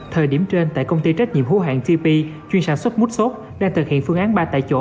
thời điểm trên tại công ty trách nhiệm hữu hạng tp chuyên sản xuất mút xốp đang thực hiện phương án ba tại chỗ